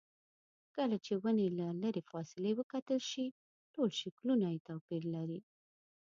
کله چې ونې له لرې فاصلې وکتل شي ټول شکلونه یې توپیر لري.